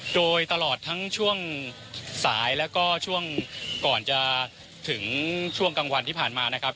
โดยตลอดทั้งช่วงสายแล้วก็ช่วงก่อนจะถึงช่วงกลางวันที่ผ่านมานะครับ